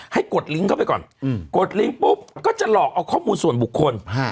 ให้กดลิง้เข้าไปก่อนอืมกดลิงปุ๊บก็จะหลอกเอาข้อมูลส่วนบุคคลฮะ